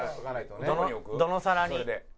「どの皿に」